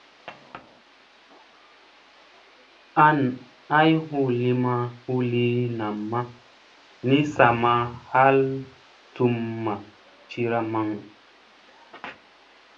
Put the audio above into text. An ay huu lii namma ni sa ma hal sum ma cira maŋ.